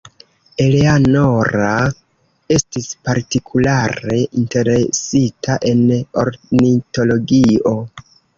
Eleanora estis partikulare interesita en ornitologio.